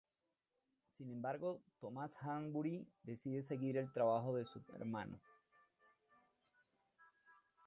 Sin embargo, Thomas Hanbury decide seguir el trabajo de su hermano.